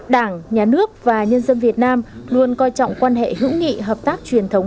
đảng nhà nước và nhân dân việt nam luôn coi trọng quan hệ hữu nghị hợp tác truyền thống